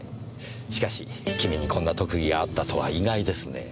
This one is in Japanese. しかし君にこんな特技があったとは意外ですねぇ。